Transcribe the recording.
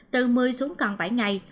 từ một mươi xuống còn bảy ngày